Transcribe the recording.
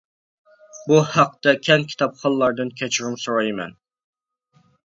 بۇ ھەقتە كەڭ كىتابخانلاردىن كەچۈرۈم سورايمەن.